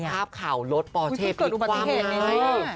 ภาพข่าวรถปอเช่พลิกคว่ำไง